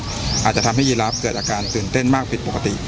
อาจจะทำให้ยีราฟเกิดอาการตื่นเต้นมากผิดปกติ